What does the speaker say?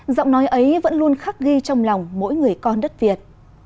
giọng nói ấy vẫn luôn khắc ghi trong lòng mỗi người con đất việt